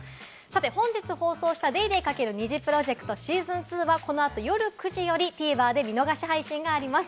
本日放送した『ＤａｙＤａｙ．×ＮｉｚｉＰｒｏｊｅｃｔＳｅａｓｏｎ２』はこのあと夜９時よりＴＶｅｒで見逃し配信があります。